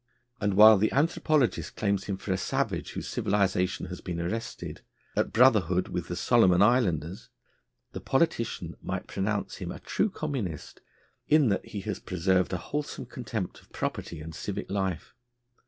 And while the anthropologist claims him for a savage, whose civilisation has been arrested at brotherhood with the Solomon Islanders, the politician might pronounce him a true communist, in that he has preserved a wholesome contempt of property and civic life.